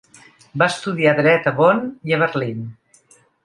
Va estudiar dret a Bonn i a Berlín.